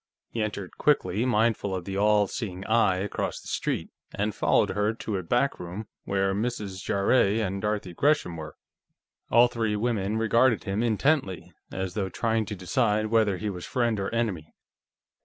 He entered quickly, mindful of the All Seeing Eye across the street, and followed her to a back room, where Mrs. Jarrett and Dorothy Gresham were. All three women regarded him intently, as though trying to decide whether he was friend or enemy.